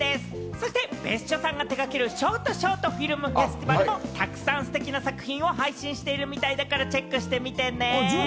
そして別所さんが手掛ける、ショートショートフィルムフェスティバルもたくさんステキな作品を配信しているみたいだから、チェックしてみてね。